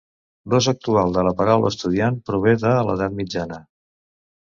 L'ús actual de la paraula estudiant prové de l'edat mitjana.